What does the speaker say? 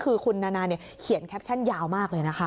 คือคุณนานาเนี่ยเขียนแคปชั่นยาวมากเลยนะคะ